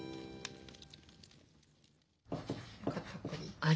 あれ？